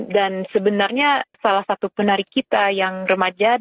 dan sebenarnya salah satu penari kita yang remaja